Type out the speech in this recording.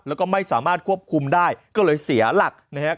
แล้วก็ไม่สามารถควบคุมได้ก็เลยเสียหลักนะครับ